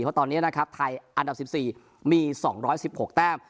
เพราะตอนนี้นะครับไทยอันดับ๑๔มี๒๑๖แต้ม